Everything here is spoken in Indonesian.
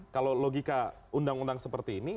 kalau logika undang undang seperti ini